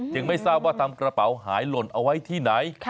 ไม่ทราบว่าทำกระเป๋าหายหล่นเอาไว้ที่ไหน